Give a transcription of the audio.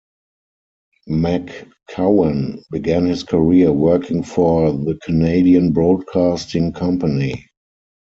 McCowan began his career working for the Canadian Broadcasting Company.